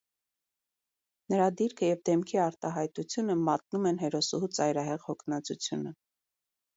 Նրա դիրքը և դեմքի արտահայտությունը մատնում են հերոսուհու ծայրահեղ հոգնածությունը։